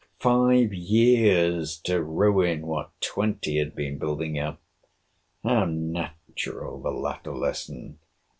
—Five years to ruin what twenty had been building up! How natural the latter lesson!